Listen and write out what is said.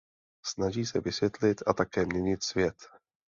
Snaží se vysvětlit a také měnit svět.